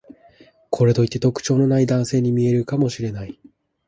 これといって特徴のない男性に見えるかもしれない